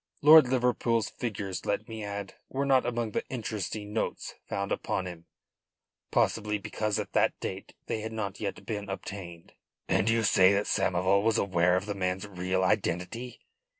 Lord Liverpool's figures, let me add, were not among the interesting notes found upon him possibly because at that date they had not yet been obtained." "And you say that Samoval was aware of the man's real identity?"